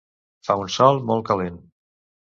Fa un sol molt calent.